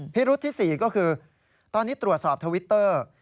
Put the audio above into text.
รุษที่๔ก็คือตอนนี้ตรวจสอบทวิตเตอร์